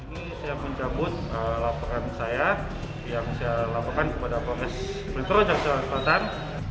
ini saya mencabut lapangan saya yang saya lapangkan kepada profesor petro jakarta selatan